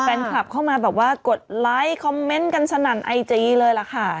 แฟนคลับเข้ามาแบบว่ากดไลค์คอมเมนต์กันสนั่นไอจีเลยล่ะค่ะ